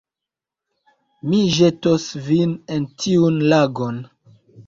Mi ĵetos vin en tiun lagon